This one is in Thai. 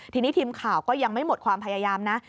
ทีนี้ทีมข่าวก็ยังไม่หมดความพยายามนะ